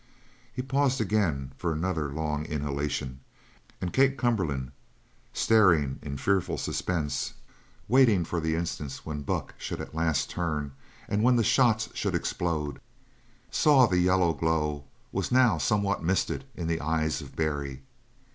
He paused again, for another long inhalation, and Kate Cumberland, staring in fearful suspense, waiting for the instant when Buck should at last turn and when the shots should explode, saw that the yellow glow was now somewhat misted in the eyes of Barry.